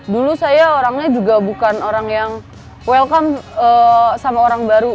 dulu saya orangnya juga bukan orang yang welcome sama orang baru